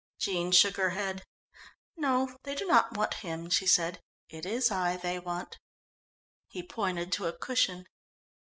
Jean shook her head. "No, they do not want him," she said, "it is I they want." He pointed to a cushion.